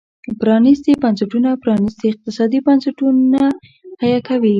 پرانيستي بنسټونه پرانيستي اقتصادي بنسټونه حیه کوي.